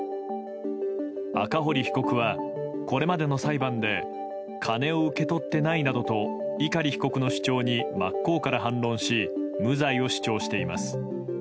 赤堀被告はこれまでの裁判で金を受け取ってないなどと碇被告の主張に真っ向から反論し無罪を主張しています。